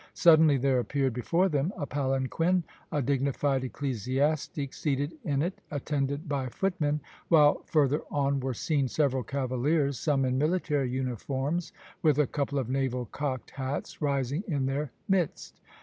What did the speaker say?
Suddenly there appeared before them a palanquin a dignified ecclesiastic seated in it attended by footmen, while further on were seen several cavaliers, some in military uniforms, with a couple of naval cocked hats rising in their midst.